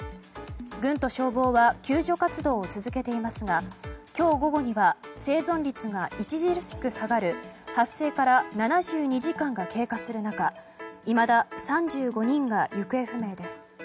軍と消防は救助活動を続けていますが今日午後には生存率が著しく下がる発生から７２時間が経過する中いまだ３５人が行方不明です。